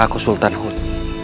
aku sultan hud